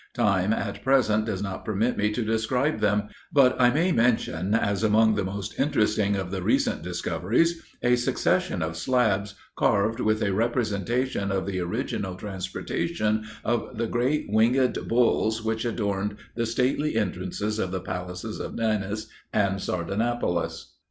Time, at present, does not permit me to describe them; but I may mention as among the most interesting of the recent discoveries, a succession of slabs carved with a representation of the original transportation of the great winged bulls which adorned the stately entrances of the palaces of Ninus and Sardanapalus.